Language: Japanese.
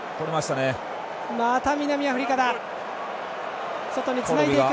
また南アフリカだ！